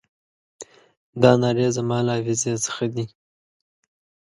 دا نارې زما له حافظې څخه دي.